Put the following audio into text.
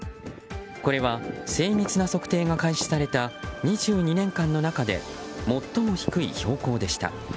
これは、精密な測定が開始された２２年間の中で最も低い標高でした。